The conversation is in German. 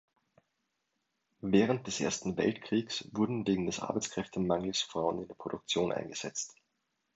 Während des Ersten Weltkriegs wurden wegen des Arbeitskräftemangels Frauen in der Produktion eingesetzt.